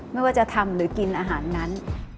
ไม่ว่าจะทำหรือกินอาหารนั้น